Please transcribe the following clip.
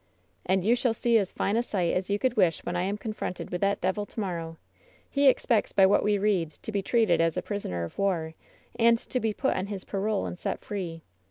"And you shall see as fine a sight as you could wish when I am confronted with that devil to morrow! He expects, by what we read, to be treated as a prisoner of war, and to be put on his parole and set free.